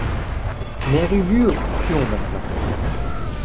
Mère Ubu Aux croupions, maintenant.